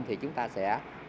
thì chúng ta sẽ